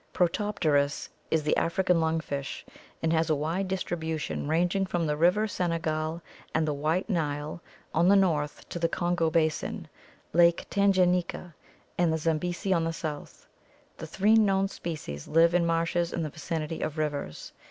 Protopterus (Fig. 140) is the African lung fish, and has a wide dis tribution ranging from the river Senegal and the White Nile on the north to the Kongo basin, Lake Tanganyika, and the Zambesi on the south. The three known species live in marshes in the vicinity of rivers.